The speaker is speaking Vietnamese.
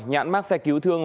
nhãn mát xe cứu thương